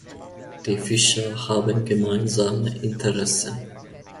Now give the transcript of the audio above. Die Fischer haben gemeinsame Interessen.